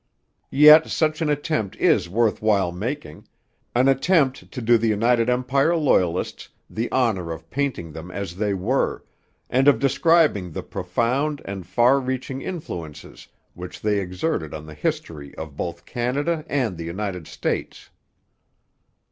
Yet such an attempt is worth while making an attempt to do the United Empire Loyalists the honour of painting them as they were, and of describing the profound and far reaching influences which they exerted on the history of both Canada and the United States.